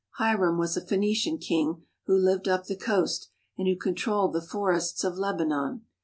Hiram was a Phoenician king who lived up the coast and who controlled the forests of Lebanon.